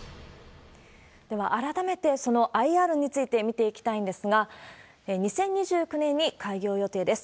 では、改めてそのＩＲについて見ていきたいんですが、２０２９年に開業予定です。